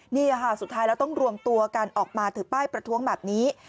นี่ค่ะสุดท้ายแล้วต้องรวมตัวกันออกมาถือป้ายประท้วงแบบนี้